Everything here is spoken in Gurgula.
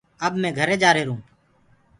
اب مي گھري جآهيرونٚ